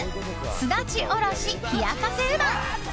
すだちおろし冷かけうどん。